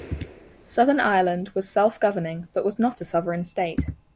Southern Ireland was self-governing but was not a sovereign state.